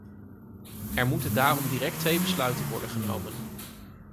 Er moeten daarom direct twee besluiten worden genomen.